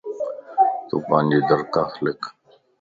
تون پانجي درخواست لک